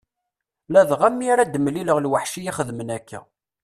Ladɣa mi ara d-mlileɣ lweḥc iyi-xedmen akka.